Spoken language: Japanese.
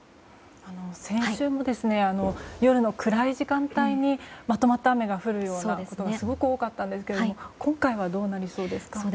先週も夜の暗い時間帯にまとまった雨が降るようなことがすごく多かったんですが今回はどうなりそうですか。